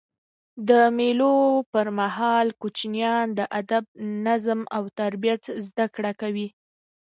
د مېلو پر مهال کوچنيان د ادب، نظم او ترتیب زدهکړه کوي.